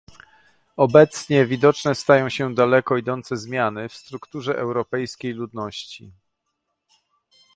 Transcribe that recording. Obecnie widoczne stają się daleko idące zmiany w strukturze europejskiej ludności